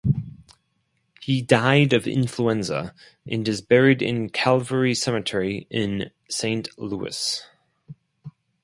He died of influenza, and is buried in Calvary Cemetery in Saint Louis.